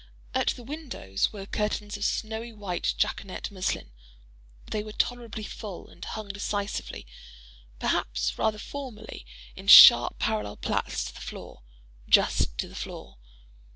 At the windows were curtains of snowy white jaconet muslin: they were tolerably full, and hung decisively, perhaps rather formally in sharp, parallel plaits to the floor—just to the floor.